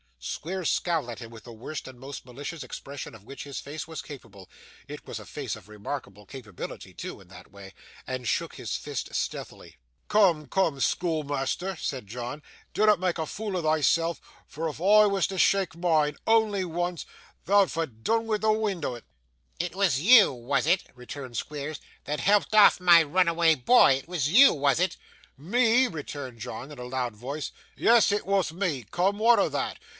Squeers scowled at him with the worst and most malicious expression of which his face was capable it was a face of remarkable capability, too, in that way and shook his fist stealthily. 'Coom, coom, schoolmeasther,' said John, 'dinnot make a fool o' thyself; for if I was to sheake mine only once thou'd fa' doon wi' the wind o' it.' 'It was you, was it,' returned Squeers, 'that helped off my runaway boy? It was you, was it?' 'Me!' returned John, in a loud tone. 'Yes, it wa' me, coom; wa'at o' that?